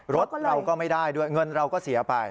รถเราก็ไม่ได้ด้วยเงินเราก็เสียไป